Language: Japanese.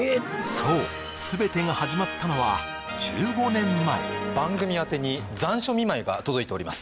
そう全てが始まったのは番組宛てに残暑見舞いが届いております